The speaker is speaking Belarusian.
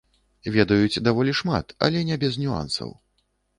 Ведаюць даволі шмат, але не без нюансаў.